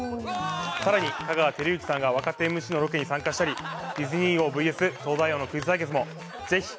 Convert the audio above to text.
更に、香川照之さんが若手ＭＣのロケに参加したりディズニー王ＶＳ東大王クイズ対決も。